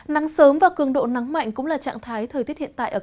nắng sớm và cường độ nắng mạnh cũng là trạng thái thời tiết hiện tại